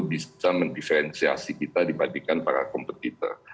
bisa mendiferensiasi kita dibandingkan para kompetitor